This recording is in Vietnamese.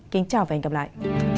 kính chào và hẹn gặp lại